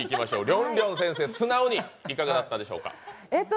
りょんりょん先生、素直にいかがだったでしょうか？